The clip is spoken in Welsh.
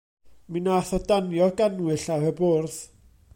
Mi nath o danio'r gannwyll ar y bwrdd.